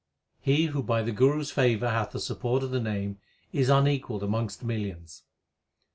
He who by the Guru s favour hath the support of the Name, Is unequalled amongst millions.